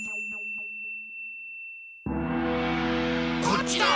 こっちだ！